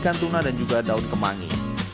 ikan tuna dan juga daun kemangi